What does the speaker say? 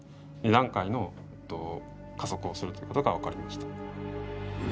２段階の加速をするということが分かりました。